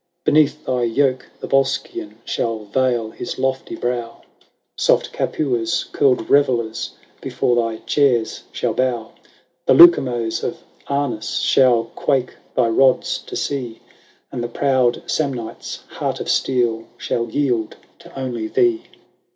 XXII. ^' Beneath thy yoke the Yolscian Shall vail his lofty brow :[ Vlt^l&OM/lHVyj Soft Capua's curled revellers Before thy chairs shall bow : The Lucumoes of Amus Shall quake thy rods to see ; And the proud Samnite's heart of steel Shall yield to only thee.